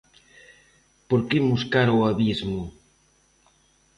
Porque imos cara ao abismo.